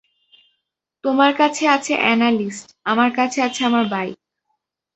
তোমার কাছে আছে অ্যানালিস্ট, আমার কাছে আছে আমার বাইক।